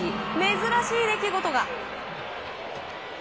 珍しい出来事が。